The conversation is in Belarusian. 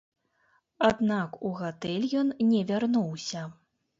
Аднак у гатэль ён не вярнуўся.